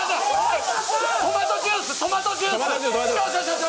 トマトジュース。